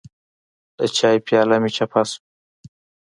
د چای پیاله مې چپه شوه.